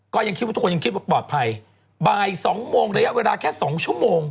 ก็ยังคิดว่าทุกคนยังคิดว่าปลอดภัยบ่ายสองโมงระยะเวลาแค่สองชั่วโมง